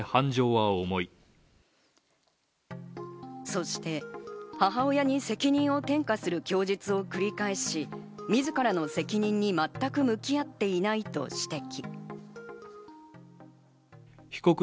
そして母親に責任を転嫁する供述を繰り返し、自らの責任に全く向き合っていないと指摘。